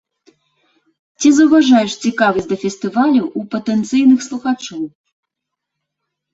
Ці заўважаеш цікавасць да фестывалю ў патэнцыйных слухачоў?